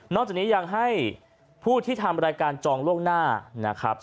จากนี้ยังให้ผู้ที่ทำรายการจองล่วงหน้านะครับ